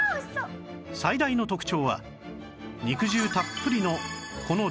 最大の特徴は肉汁たっぷりのこのジューシーさ